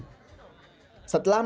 setelah menangkap pelanggan